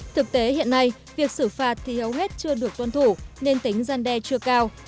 thực tế hiện nay việc xử phạt thì hầu hết chưa được tuân thủ nên tính gian đe chưa cao